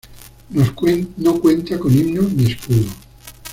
No cuenta con himno ni escudo.